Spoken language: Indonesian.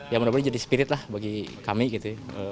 ya mudah mudahan jadi spirit lah bagi kami gitu ya